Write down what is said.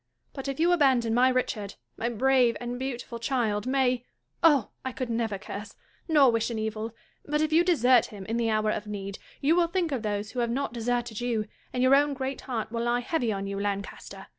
But if you abandon my Richard, my brave and beautiful child, may — Oh ! I could never curse, nor wish an evil ; but, if you desert him in the hour of need, you will think of those who have not deserted you, and your own great heart will lie heavy on you, Lancaster